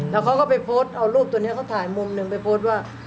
แล้วเขาก็ไปโพสต์เอารูปตัวนี้เขาถ่ายมุมหนึ่งไปโพสต์ว่า